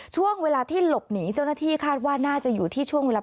ช่วงเวลาที่หลบหนีเจ้าหน้าที่คาดว่าน่าจะอยู่ที่ช่วงเวลา